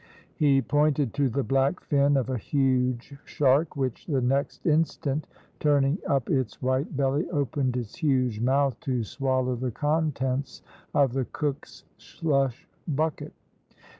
He pointed to the black fin of a huge shark, which the next instant, turning up its white belly, opened its huge mouth to swallow the contents of the cook's slush bucket.